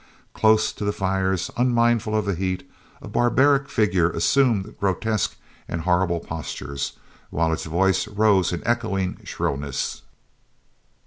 Close to the fires, unmindful of the heat, a barbaric figure assumed grotesque and horrible postures, while its voice rose in echoing shrillness.